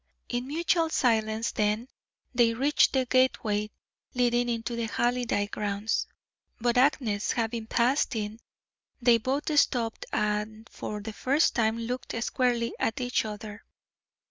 In mutual silence, then, they reached the gateway leading into the Halliday grounds. But Agnes having passed in, they both stopped and for the first time looked squarely at each other.